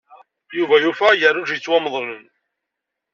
Yuba yufa agerruj yettwamḍlen.